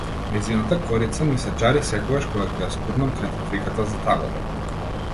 Нејзината корица ми се џари секогаш кога ќе ја скубнам крај трафиката зад аголот.